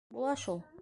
- Була шул.